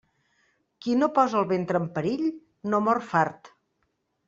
Qui no posa el ventre en perill no mor fart.